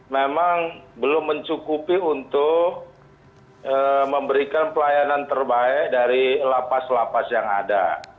memang belum mencukupi untuk memberikan pelayanan terbaik dari la paz la paz yang ada